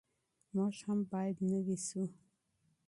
موږ هم باید نوي سو.